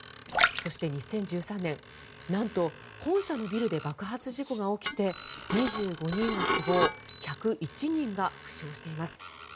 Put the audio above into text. そして、２０１３年なんと本社のビルで爆発事故が起きて２５人が死亡１０１人が負傷しています。